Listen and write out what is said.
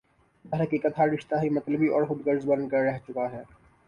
درحقیقت ہر رشتہ ہی مطلبی اور خودغرض بن کر رہ چکا ہے